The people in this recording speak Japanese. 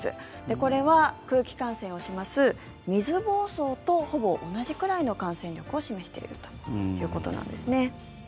これは空気感染をします水ぼうそうとほぼ同じくらいの感染力を示しているということなんです。